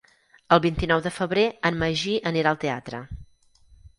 El vint-i-nou de febrer en Magí anirà al teatre.